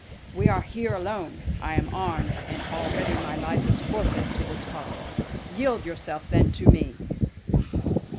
We are here alone! I am armed; and already my life is forfeit to this course. Yield yourself, then, to me!"